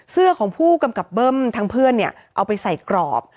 เสื้อของผู้กำกับเบิ้มทางเพื่อนเนี่ยเอาไปใส่กรอบ